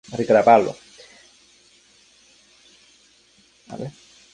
Viajó por mar a Carmen de Patagones, donde permaneció ocho meses.